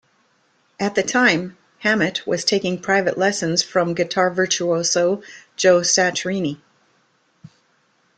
At the time, Hammett was taking private lessons from guitar virtuoso Joe Satriani.